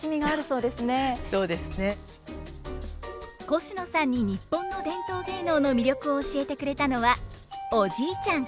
コシノさんに日本の伝統芸能の魅力を教えてくれたのはおじいちゃん！